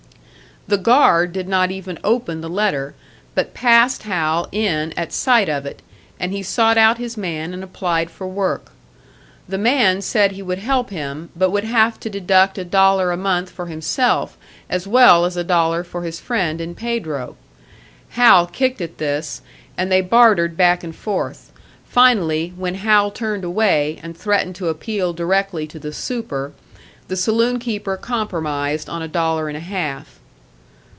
The guard did not even open the letter, but passed Hal in at sight of it, and he sought out his man and applied for work. The man said he would help him, but would have to deduct a dollar a month for himself, as well as a dollar for his friend in Pedro. Hal kicked at this, and they bartered back and forth; finally, when Hal turned away and threatened to appeal directly to the "super," the saloon keeper compromised on a dollar and a half.